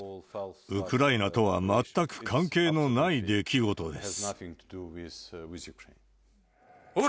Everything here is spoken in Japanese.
ウクライナとは全く関係のない出来事です。